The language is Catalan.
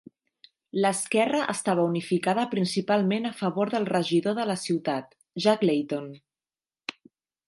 L'esquerra estava unificada principalment a favor del regidor de la ciutat, Jack Layton.